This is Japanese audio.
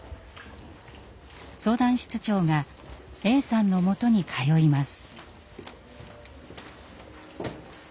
相談室長がＡさんのもとに通います。